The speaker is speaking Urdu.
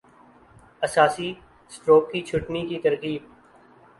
اساسی-سٹروک کی چھٹنی کی ترتیب